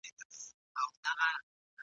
هرڅه څرنګه سي مړاوي هر څه څرنګه وچیږي !.